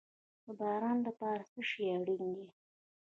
د باران لپاره څه شی اړین دي؟